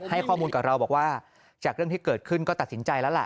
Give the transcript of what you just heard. ให้ข้อมูลกับเราบอกว่าจากเรื่องที่เกิดขึ้นก็ตัดสินใจแล้วล่ะ